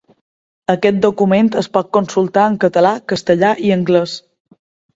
Aquest document es pot consultar en català, castellà i anglès.